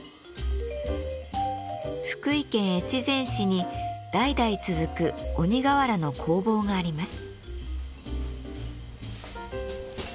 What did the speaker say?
福井県越前市に代々続く鬼瓦の工房があります。